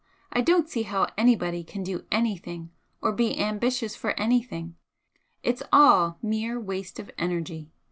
I don't see how anybody can do anything or be ambitious for anything it's all mere waste of energy.